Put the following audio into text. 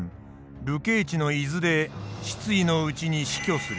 流刑地の伊豆で失意のうちに死去する。